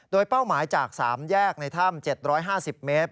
โดยเป้าหมายจาก๓แยกในถ้ำ๗๕๐เมตร